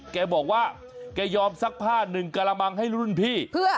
แกบอกว่าแกยอมซักผ้าหนึ่งกระมังให้รุ่นพี่